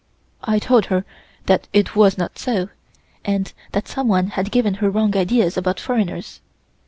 I told her that it was not so, and that someone had given her wrong ideas about foreigners.